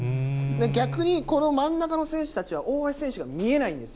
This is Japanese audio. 逆にこの真ん中の選手たちは、大橋選手が見えないんです。